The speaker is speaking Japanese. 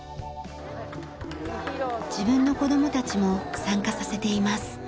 自分の子供たちも参加させています。